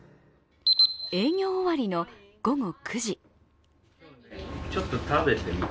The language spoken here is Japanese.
営業終わりの午後９時。